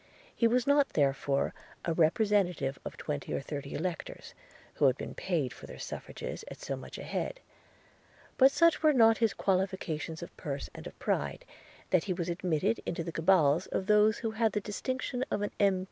He was not therefore a representative of twenty or thirty electors, who had been paid for their suffrages at so much a head; but such were not his qualifications of purse and of pride, that he was admitted to the cabals of those who had the distinction of an M.